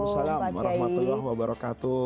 sehat pak kiai